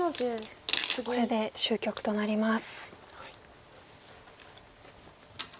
これで終局となります。